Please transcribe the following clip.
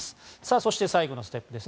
そして、最後のステップです。